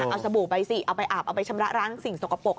เอาสบู่ไปสิเอาไปอาบเอาไปชำระร้างสิ่งสกปรก